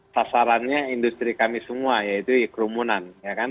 sasarannya industri kami semua yaitu kerumunan